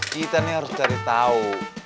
kita ini harus cari tahu